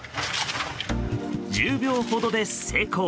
１０秒ほどで成功。